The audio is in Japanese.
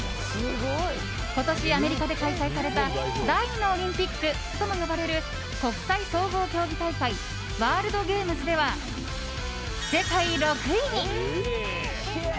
今年、アメリカで開催された第２のオリンピックとも呼ばれる国際総合競技大会ワールドゲームズでは世界６位に。